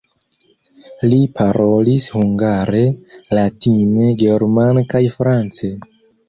Li parolis hungare, latine, germane kaj france.